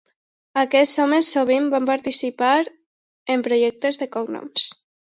Aquests homes sovint van participar en projectes de cognoms.